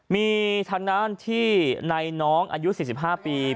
มีทางด้านที่ในน้องอายุ๔๕ปี